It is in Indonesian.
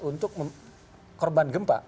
untuk korban gempa